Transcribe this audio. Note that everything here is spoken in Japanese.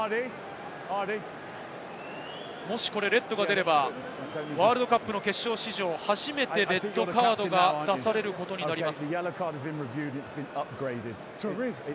もし、これレッドが出れば、ワールドカップの決勝史上初めて、レッドカードが出されることになります。